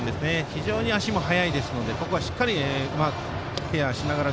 非常に足も速いのでここはしっかりケアしながら。